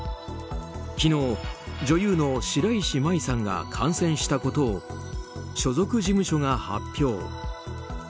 昨日、女優の白石麻衣さんが感染したことを所属事務所が発表。